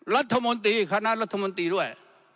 รัฐมนตรีคณะรัฐมนตรีด้วย